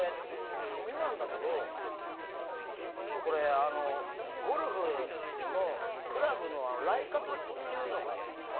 地味なんだけどゴルフのクラブのライ角っていうのがあるのね。